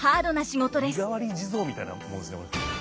身代わり地蔵みたいなもんですねこれ。